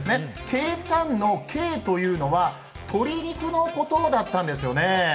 けいちゃんの「けい」というのは鶏肉のことだったんですね。